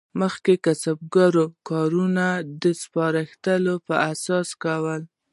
مخکې کسبګرو کارونه د سپارښتونو پر اساس کول.